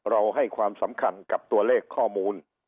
ให้ความสำคัญกับตัวเลขข้อมูล